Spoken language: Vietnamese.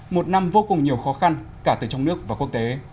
một năm vô cùng nhiều khó khăn cả từ trong nước và quốc tế